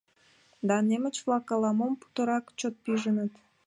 — Да, немыч-влак ала-мо путырак чот пижыныт.